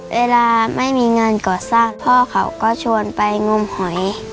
เวลาไม่มีงานก่อสร้างพ่อเขาก็ชวนไปงมหอย